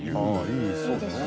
いいですね。